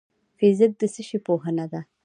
فزیک د څه شي پوهنه ده؟